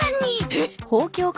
えっ！？